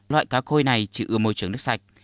loại cá khôi này chỉ ưa môi trường nước sạch